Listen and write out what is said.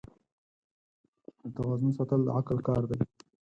د توازن ساتل د عقل کار دی.